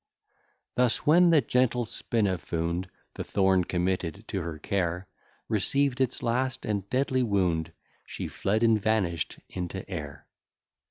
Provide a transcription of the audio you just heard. Thus, when the gentle Spina found The thorn committed to her care, Received its last and deadly wound, She fled, and vanish'd into air.